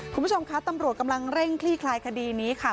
คุณผู้ชมคะตำรวจกำลังเร่งคลี่คลายคดีนี้ค่ะ